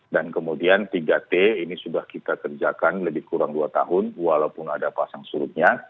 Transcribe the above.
dan kemudian tiga t ini sudah kita kerjakan lebih kurang dua tahun walaupun ada pasang surutnya